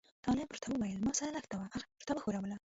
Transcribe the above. طالب ورته وویل ما سره لښته وه هغه مې ورته وښوروله.